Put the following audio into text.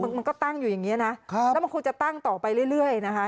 มันก็ตั้งอยู่อย่างนี้นะแล้วมันคงจะตั้งต่อไปเรื่อยนะคะ